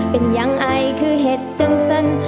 เป็นอย่างไอคือเห็ดจนสั่น